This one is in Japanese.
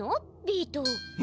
ビート。